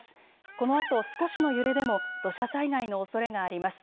このあと少しの揺れでも土砂災害のおそれがあります。